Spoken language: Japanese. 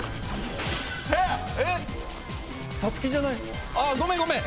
えっ⁉「さつき」じゃないごめんごめん。